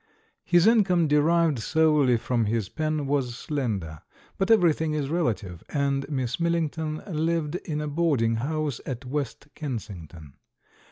His income, derived solely from his pen, was slender; but everything is relative, and Miss Millington lived in a boarding house at West Kensington.